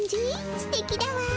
すてきだわ。